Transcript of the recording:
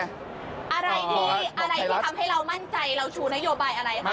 อะไรที่ทำให้เรามั่นใจ